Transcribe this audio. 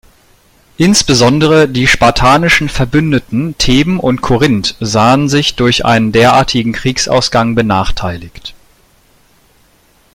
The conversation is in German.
Insbesondere die spartanischen Verbündeten Theben und Korinth sahen sich durch einen derartigen Kriegsausgang benachteiligt.